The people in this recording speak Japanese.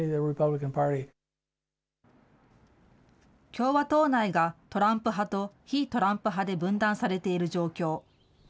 共和党内がトランプ派と非トランプ派で分断されている状況。